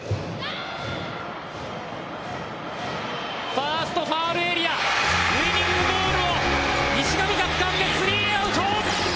ファースト、ファウルエリアウイニングボールを西上がつかんでスリーアウト！